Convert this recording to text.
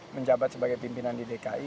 menjabat sebagai pimpinan di dki